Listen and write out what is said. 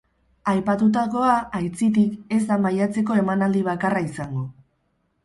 Aipatutakoa, aitzitik, ez da maiatzeko emanaldi bakarra izango.